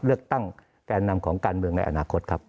เลือกตั้งแก่นำของการเมืองในอนาคตครับ